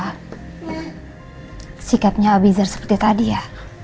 kenapa sikapnya abiza seperti tadi ya